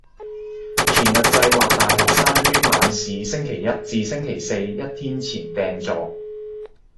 全日制或大學生於晚市星期一至星期四一天前訂座